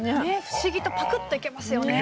不思議とパクッといけますよね。